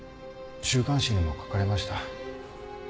週刊誌にも書かれました。